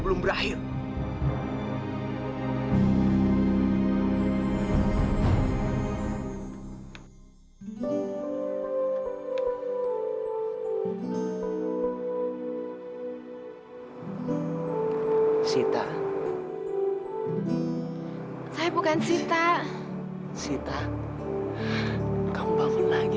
engkau telah membangunkan sita kembali